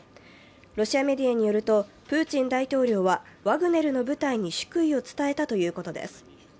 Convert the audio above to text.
ロシアメディアによると、プーチン大統領はワグネルの部隊に祝意を伝えたということです。